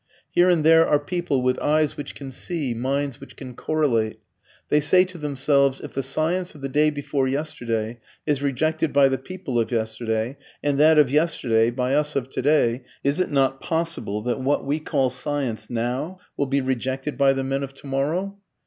Here and there are people with eyes which can see, minds which can correlate. They say to themselves: "If the science of the day before yesterday is rejected by the people of yesterday, and that of yesterday by us of today, is it not possible that what we call science now will be rejected by the men of tomorrow?"